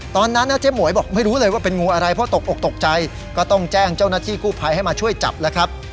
ตอนนั้นนะเจ๊หมวยบอกไม่รู้เลยว่าเป็นงูอะไรเพราะตกอกตกใจก็ต้องแจ้งเจ้าหน้าที่กู้ภัยให้มาช่วยจับแล้วครับ